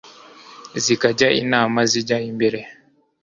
zikajya inama zijya mbere